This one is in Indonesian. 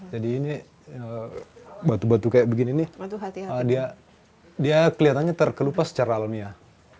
jadi batu batu seperti ini kelihatannya terkelupas secara alamiah